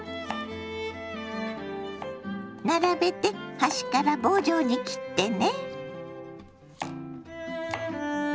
並べて端から棒状に切ってね。